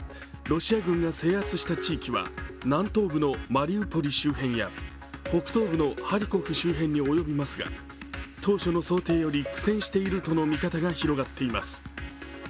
ロシア軍が制圧した地域は南東部のマリウポリ周辺や北東部のハリコフ周辺に及びますが当初の想定より苦戦しているとの見方が広がっています。